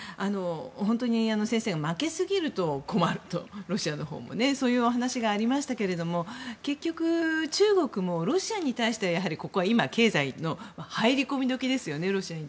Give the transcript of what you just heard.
本当に先生、負けすぎると困るとそういうお話がありましたけれども結局、中国もロシアに対してここは経済の入り込み時ですよね。